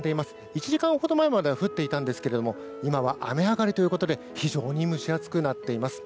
１時間ほど前までは降っていたんですけども今は雨上がりということで非常に蒸し暑くなっています。